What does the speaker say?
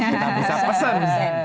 kita bisa pesen